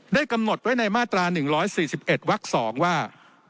กำหนดไว้ในมาตรา๑๔๑วัก๒ว่า